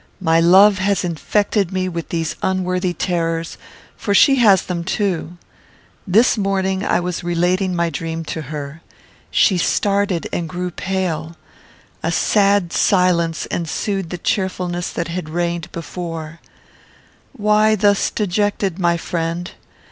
My love has infected me with these unworthy terrors, for she has them too. This morning I was relating my dream to her. She started, and grew pale. A sad silence ensued the cheerfulness that had reigned before: "Why thus dejected, my friend?"